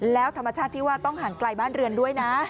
แล้วธรรมชาติที่ว่าต้องห่างไกลบ้านเรือนด้วยนะ